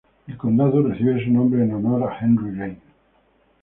El condado recibe su nombre en honor a Henry Lane.